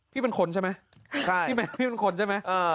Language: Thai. พี่เป็นคนใช่ไหมพี่เป็นคนใช่ไหม